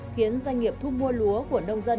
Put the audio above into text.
khiến doanh nghiệp thu mua lúa của nông dân